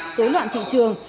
xối loạn thị trường